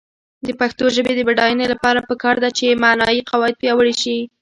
د پښتو ژبې د بډاینې لپاره پکار ده چې معنايي قواعد پیاوړې شي.